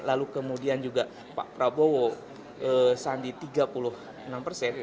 lalu kemudian juga pak prabowo sandi tiga puluh enam persen